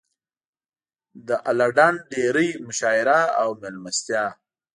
د اله ډنډ ډېرۍ مشاعره او مېلمستیا.